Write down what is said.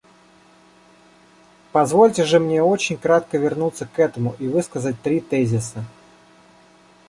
Позвольте же мне очень кратко вернуться к этому и высказать три тезиса.